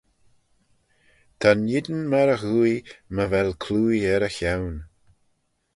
Ta'n yeean myr e ghooie my vel clooie er y chione